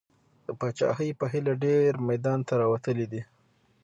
د پاچاهۍ په هیله ډېر میدان ته راوتلي دي.